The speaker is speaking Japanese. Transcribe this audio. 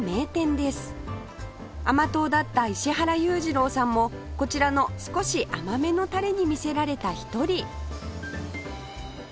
甘党だった石原裕次郎さんもこちらの少し甘めのタレに魅せられた一人